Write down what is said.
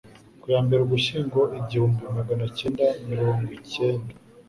Ku ya mbere Ugushyingo igihumbi maganakendana mirongwikenda